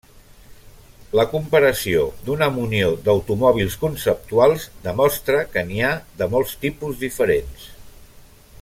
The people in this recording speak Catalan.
La comparació d’una munió d’automòbils conceptuals demostra que n’hi ha de molts tipus diferents.